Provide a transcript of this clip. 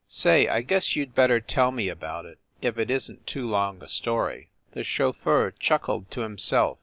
Say, I guess you d better tell me about it if it isn t too long a story." The chauffeur chuckled to himself.